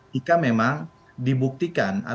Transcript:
jika memang dibuktikan atau dipercaya